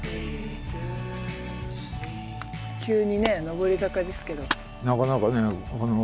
急にね上り坂ですけど。